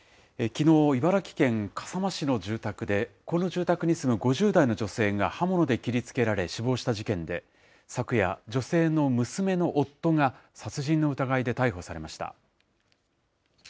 きのう、茨城県笠間市の住宅で、この住宅に住む５０代の女性が刃物で切りつけられ、死亡した事件で、昨夜、女性の娘の夫が、殺人の疑いで逮捕されました。